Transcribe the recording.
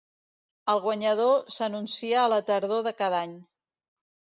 El guanyador s'anuncia a la tardor de cada any.